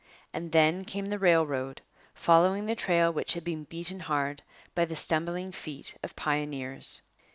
And then came the railroad, following the trail which had been beaten hard by the stumbling feet of pioneers.